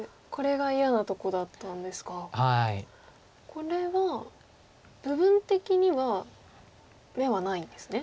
これは部分的には眼はないんですね。